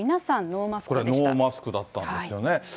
ノーマスクだったんですよね。